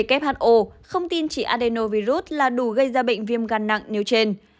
nhưng các nhà khoa học của who không tin chỉ adenovirus là đủ gây ra bệnh viêm gắn nặng nếu trên